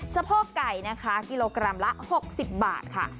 สะโพกไก่นะคะกิโลกรัมละ๖๐บาทค่ะ